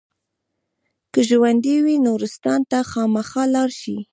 که ژوندي وي نورستان ته خامخا لاړ شئ.